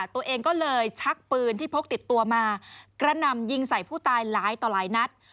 ตัวเองก็เลยชักปืนที่พกติดตัวมากระหน่ำยิงใส่ผู้ตายหลายต่อหลายนัด